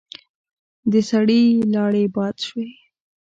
د سړي لاړې باد شوې.